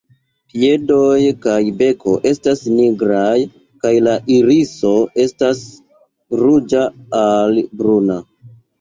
Piedoj kaj beko estas nigraj kaj la iriso estas ruĝa al bruna.